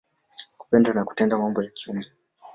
Kupenda na kutenda mambo ya kiume.